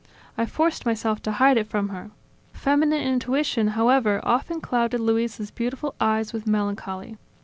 I forced myself to hide it from her. Feminine intuition, however, often clouded Luisa's beautiful eyes with melancholy.